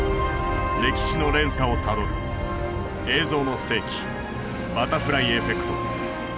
歴史の連鎖をたどる「映像の世紀バタフライエフェクト」。